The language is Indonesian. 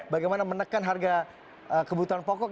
bagaimana menekan harga kebutuhan pokok